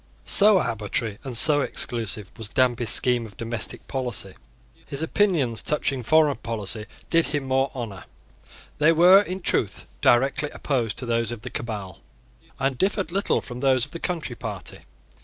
So arbitrary and so exclusive was Danby's scheme of domestic policy. His opinions touching foreign policy did him more honour. They were in truth directly opposed to those of the Cabal and differed little from those of the Country Party.